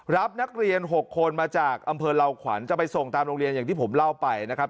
รับนักเรียน๖คนมาจากอำเภอเหล่าขวัญจะไปส่งตามโรงเรียนอย่างที่ผมเล่าไปนะครับ